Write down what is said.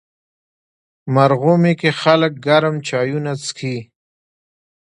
مرغومی کې خلک ګرم چایونه څښي.